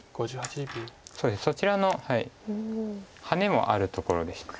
そうですそちらのハネもあるところでした。